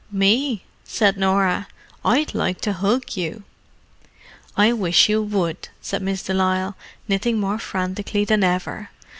"Me?" said Norah. "I'd like to hug you!" "I wish you would," said Miss de Lisle, knitting more frantically than ever.